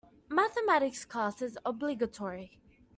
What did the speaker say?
Mathematics class is obligatory.